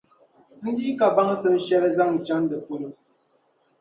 N di ka baŋsim shεli zaŋ chaŋ di polo.